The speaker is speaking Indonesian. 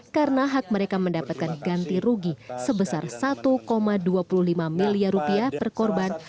karena hak mereka mendapatkan ganti rugi sebesar satu dua puluh lima miliar rupiah per korban